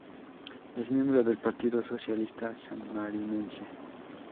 Es miembro del Partido Socialista Sanmarinense.